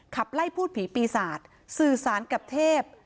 ขับไล่พูดผีปีศาจสื่อสารกับเทพ